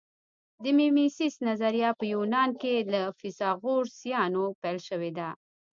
د میمیسیس نظریه په یونان کې له فیثاغورثیانو پیل شوې ده